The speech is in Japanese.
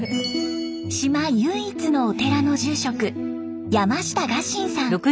島唯一のお寺の住職山下雅真さん。